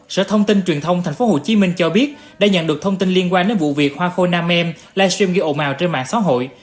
sở thông tin truyền thông tp hcm cho biết đã nhận được thông tin liên quan đến vụ việc hoa khôi nam em livestream gây ồ mèo trên mạng xã hội